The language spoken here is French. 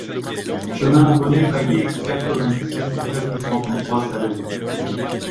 Chemin René Payet, quatre-vingt-dix-sept, quatre cent trente-trois Salazie